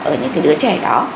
ở những cái đứa trẻ đó